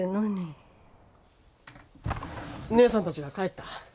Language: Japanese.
義姉さんたちが帰った。